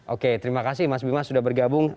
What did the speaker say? oke terima kasih mas bima sudah bergabung